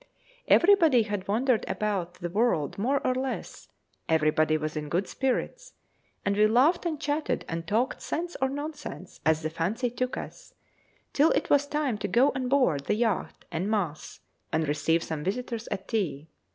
Everybody had wandered about the world more or less, everybody was in good spirits, and we laughed and chatted and talked sense or nonsense as the fancy took us, till it was time to go on board the yacht en masse, and receive some visitors at tea.